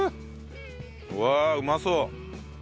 うわあうまそう！